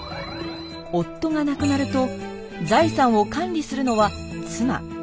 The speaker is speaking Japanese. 夫が亡くなると財産を管理するのは妻。